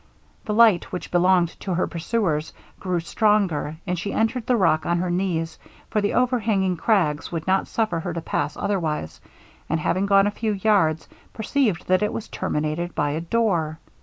The light which belonged to her pursuers, grew stronger; and she entered the rock on her knees, for the overhanging craggs would not suffer her to pass otherwise; and having gone a few yards, perceived that it was terminated by a door.